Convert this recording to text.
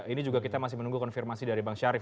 ini juga kita masih menunggu konfirmasi dari bang syarif